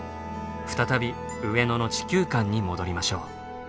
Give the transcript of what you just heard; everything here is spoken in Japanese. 再び上野の地球館に戻りましょう。